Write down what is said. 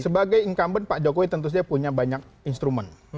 sebagai incumbent pak jokowi tentu saja punya banyak instrumen